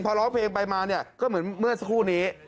พอร้องเพลงไปมาเนี่ยก็เหมือนเมื่อสักครู่นี้